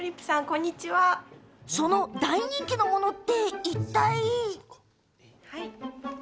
その大人気のものっていったい？